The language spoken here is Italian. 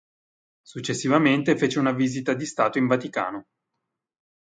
Successivamente fece una visita di stato in Vaticano.